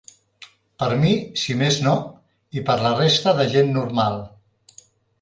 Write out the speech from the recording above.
Per mi, si més no, i per la resta de gent normal.